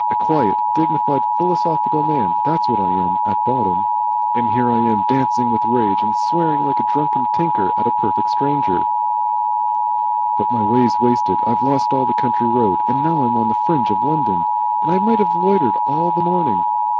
A quiet, dignified, philosophical man, that's what I am at bottom; and here I am dancing with rage and swearing like a drunken tinker at a perfect stranger "But my day's wasted. I've lost all that country road, and now I'm on the fringe of London. And I might have loitered all the morning!